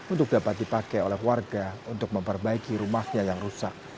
untuk dapat dipakai oleh warga untuk memperbaiki rumahnya yang rusak